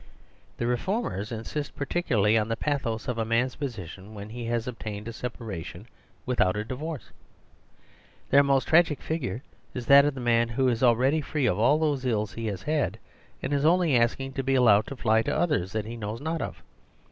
The reformers insist particularly on the pathos of a man's position when he has obtained a separation without a divorce. Their most tragic figure is that of the man who is already free of all those ills he had, and is only asking to be allowed to fly to others that he knows not of.